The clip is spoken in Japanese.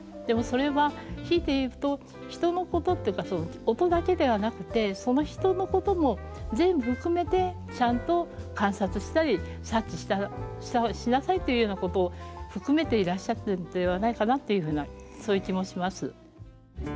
でもそれはひいていうと人のことっていうか音だけではなくてその人のことも全部含めてちゃんと観察したり察知しなさいというようなことを含めていらっしゃったんではないかなっていうふうなそういう気もします。